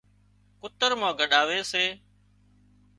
ڪُتر مان ڳڏاوي سي